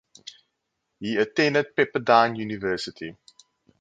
He attended Pepperdine University.